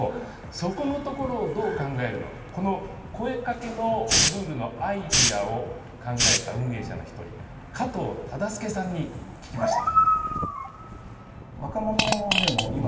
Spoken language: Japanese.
そこのところをどう考えるのか、この声かけのルールのアイデアを考えた運営者の１人、加藤忠相さんに聞きました。